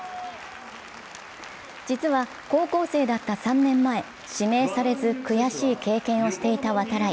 実は高校生だった３年前指名されず悔しい経験をしていた度会。